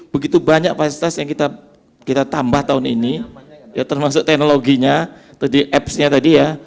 begitu banyak fasilitas yang kita tambah tahun ini ya termasuk teknologinya tadi appsnya tadi ya